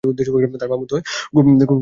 তাঁর মা বোধ হয় খুব কাতর হয়ে পড়েছেন।